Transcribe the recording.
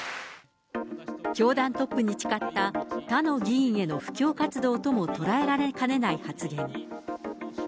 教団トップに誓った他の議員への布教活動とも取られかねない発言。